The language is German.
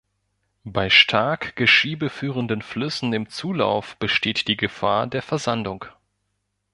Bei stark Geschiebe führenden Flüssen im Zulauf besteht die Gefahr der Versandung.